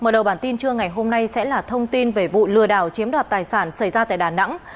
mở đầu bản tin trưa ngày hôm nay sẽ là thông tin về vụ lừa đảo chiếm đoạt tài sản xảy ra tại đà nẵng